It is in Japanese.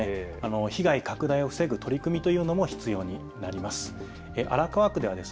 被害拡大を防ぐ取り組みというのも必要になります。